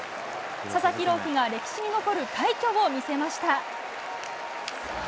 佐々木朗希が歴史に残る快挙を見せました。